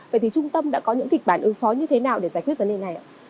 vậy thì trung tâm đã có những kịch bản ứng phó như thế nào để giải quyết vấn đề này ạ